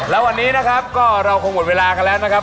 แล้ววันนี้นะครับก็เราคงหมดเวลากันแล้วนะครับ